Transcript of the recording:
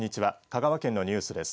香川県のニュースです。